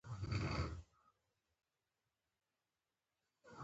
هغه چې نن ځان له خاورو په رومال څنډي.